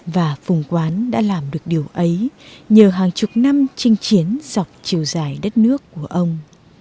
và phùng quán đã làm được điều ấy nhờ hàng chục năm trinh chiến dọc chiều dài đất nước của ông